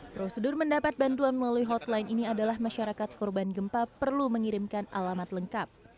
prosedur mendapat bantuan melalui hotline ini adalah masyarakat korban gempa perlu mengirimkan alamat lengkap